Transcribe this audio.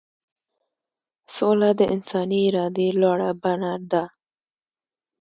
سوله د انساني ارادې لوړه بڼه ده.